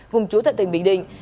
vùng trú tại tỉnh bình định